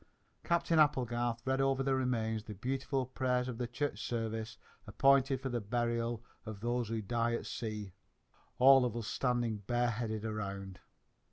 Captain Applegarth read over the remains the beautiful prayers of the Church Service appointed for the burial of those who die at sea, all of us standing bareheaded around.